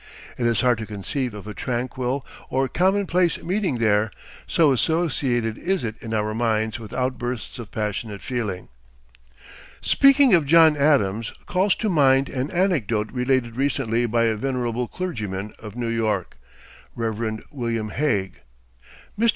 It is hard to conceive of a tranquil or commonplace meeting there, so associated is it in our minds with outbursts of passionate feeling. Speaking of John Adams calls to mind an anecdote related recently by a venerable clergyman of New York, Rev. William Hague. Mr.